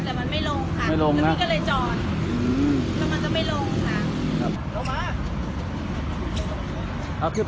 แต่มันไม่ลงค่ะไม่ลงน่ะแล้วมิ่งก็เลยจอดอืมแล้วมันจะไม่ลงค่ะครับ